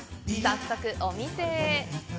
早速お店へ！